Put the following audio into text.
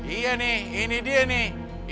iya nih ini dia nih